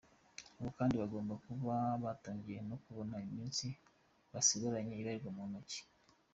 Ubu kandi bagomba kuba batangiye no kubona ko iminsi basigaranye ibarirwa ku ntoki.